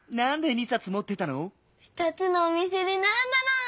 ２つのおみせでならんだの！